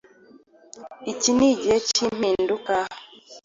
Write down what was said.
Iki ni igihe cy’impinduka